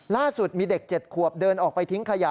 ล่าสุดมีเด็ก๗ขวบเดินออกไปทิ้งขยะ